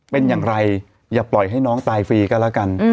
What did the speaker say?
เป็นอย่างไรอย่าปล่อยให้น้องตายฟรีก็แล้วกัน